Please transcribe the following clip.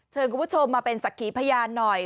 คุณผู้ชมมาเป็นสักขีพยานหน่อย